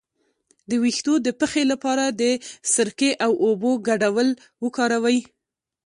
د ویښتو د پخې لپاره د سرکې او اوبو ګډول وکاروئ